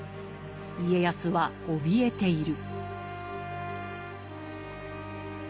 家康はおびえている。